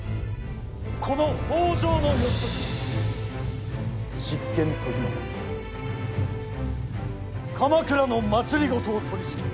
この北条義時が執権時政に代わり鎌倉の政を取りしきる。